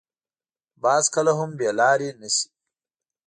باز کله هم بې لارې نه شي